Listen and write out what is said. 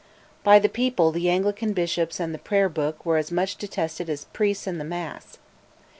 By the people the Anglican bishops and the prayer book were as much detested as priests and the Mass.